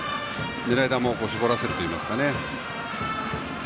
狙い球を絞らせるといいますかね。